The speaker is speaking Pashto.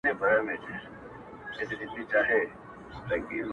اوس چي خبري كوم;